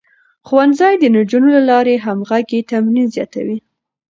ښوونځی د نجونو له لارې د همغږۍ تمرين زياتوي.